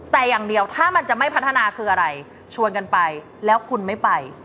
แต่อย่างเดียวถ้ามันจะไม่พัฒนาคืออะไรชวนกันไปแล้วคุณไม่ไป